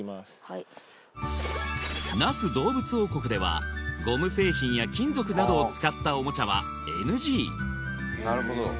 那須どうぶつ王国ではゴム製品や金属などを使ったおもちゃはＮＧ